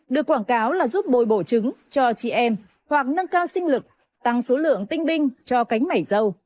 được quảng cáo là giúp bồi bổ trứng cho chị em hoặc nâng cao sinh lực tăng số lượng tinh binh cho cánh mảy dâu